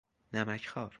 نمک خوار